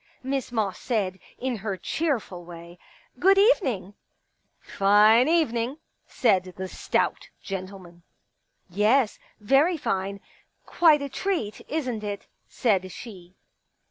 Miss Moss said, in her cheerful way :" Good evening !"" Fine evening," said the stout gentleman. Yes, very fine. Quite a treat, isn't it ?" said she.